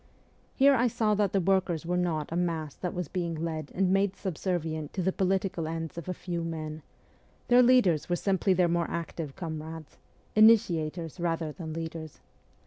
Here I saw that the workers were not a mass that was being led and made subservient to the political ends of a few men ; their leaders were simply their more active comrades initiators rather than leaders.